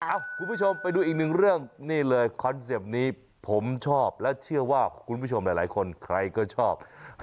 คุณผู้ชมไปดูอีกหนึ่งเรื่องนี่เลยคอนเซ็ปต์นี้ผมชอบและเชื่อว่าคุณผู้ชมหลายคนใครก็ชอบ